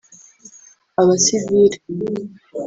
abasivile